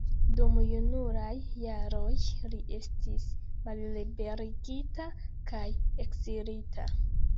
Dum junulaj jaroj li estis malliberigita kaj ekzilita.